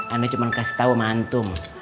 anda cuma kasih tau mah antum